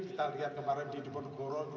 kita lihat kemarin di diponegoro